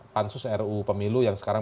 pansus ruu pemilu yang sekarang